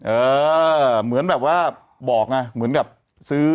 เออเหมือนแบบว่าบอกอ่ะเหมือนแบบ